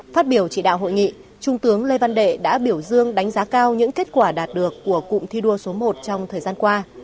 phát biểu chỉ đạo hội nghị trung tướng lê văn đệ đã biểu dương đánh giá cao những kết quả đạt được của cụm thi đua số một trong thời gian qua